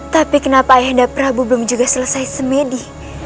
tapi kenapa ayah indah prabu belum selesai semedi